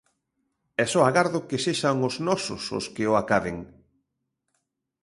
E só agardo que sexan os nosos os que o acaden.